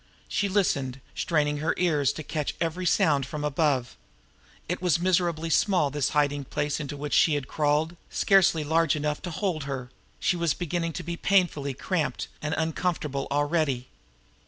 She listened, straining her ears to catch every sound from above. It was miserably small this hiding place into which she had crawled, scarcely large enough to hold her she was beginning to be painfully cramped and uncomfortable already.